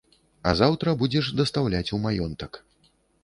А заўтра будзеш дастаўляць у маёнтак.